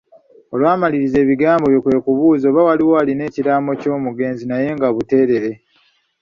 Olwamaliriza ebigambo bye kwe kubuuza oba waliwo alina ekiraamo ky'omugenzi naye nga buteerere.